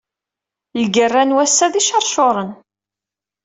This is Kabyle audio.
Lgerra n wass-a d icercuren.